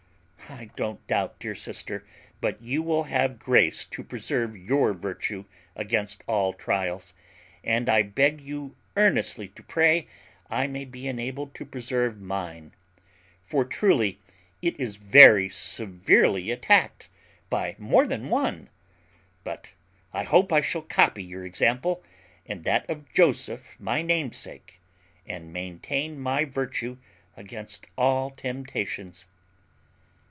"I don't doubt, dear sister, but you will have grace to preserve your virtue against all trials; and I beg you earnestly to pray I may be enabled to preserve mine; for truly it is very severely attacked by more than one; but I hope I shall copy your example, and that of Joseph my namesake, and maintain my virtue against all temptations."